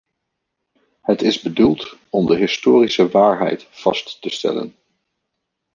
Het is bedoeld om de historische waarheid vast te stellen.